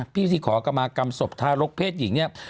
พิธีขอกรรมากรรมศพทารกเพศหญิงเนี่ย